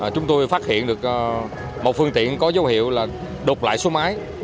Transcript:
chúng tôi phát hiện được một phương tiện có dấu hiệu đột lại số máy